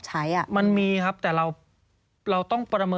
สวัสดีค่ะที่จอมฝันครับ